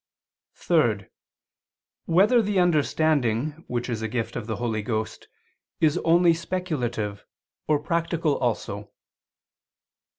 (3) Whether the understanding which is a gift of the Holy Ghost, is only speculative, or practical also?